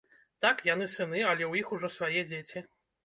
Так, яны сыны, але ў іх ужо свае дзеці.